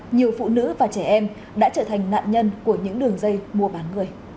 nhiều phụ nữ và trẻ em đã trở thành nạn nhân của những đường dây mua bán người